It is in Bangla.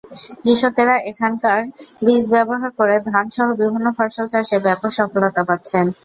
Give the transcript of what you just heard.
কৃষকেরা এখানকার বীজ ব্যবহার করে ধানসহ বিভিন্ন ফসল চাষে ব্যাপক সফলতা পাচ্ছেন।